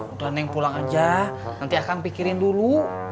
udah neng pulang aja nanti akan pikirin dulu